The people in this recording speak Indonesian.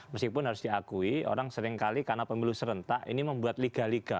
meskipun harus diakui orang seringkali karena pemilu serentak ini membuat liga liga